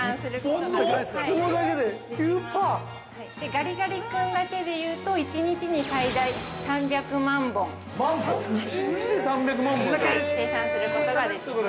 ガリガリ君だけで言うと、１日に最大３００万本、生産することができます。